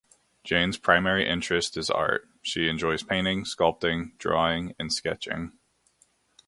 Jane's primary interest is art; she enjoys painting, sculpting, drawing and sketching.